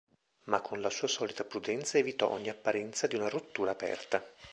Ma con la sua solita prudenza evitò ogni apparenza di una rottura aperta.